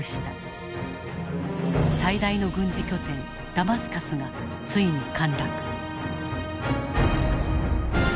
最大の軍事拠点ダマスカスがついに陥落。